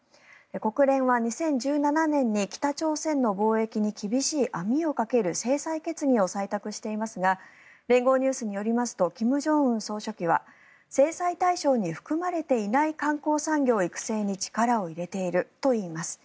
国連は２０１７年に北朝鮮の貿易に厳しい網をかける制裁決議を採択していますが連合ニュースによりますと金正恩総書記は制裁対象に含まれていない観光産業育成に力を入れているといいます。